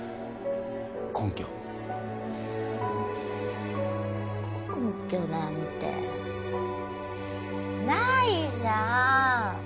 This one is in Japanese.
根拠なんてないじゃん。